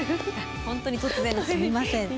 本当に突然ですみません。